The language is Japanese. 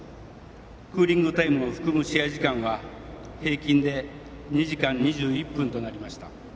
クーリングタイムを含む試合時間は平均で２時間２１分となりました。